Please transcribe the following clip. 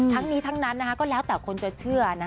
ทั้งนี้ทั้งนั้นก็แล้วแต่คนจะเชื่อ